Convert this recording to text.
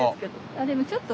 あでもちょっと。